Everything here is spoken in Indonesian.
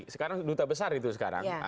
sekarang duta besar itu sekarang